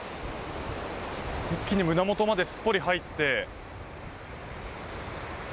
一気に胸元まですっぽり入って。